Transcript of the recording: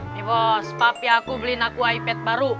nih bos papi aku beliin aku ipad baru